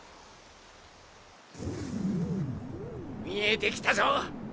見えてきたぞ！